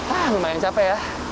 haa lumayan capek ya